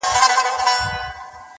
o په ړندو کي يو سترگی پاچا دئ!